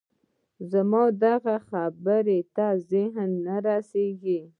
زما دغه خبرې ته ذهن نه رسېږي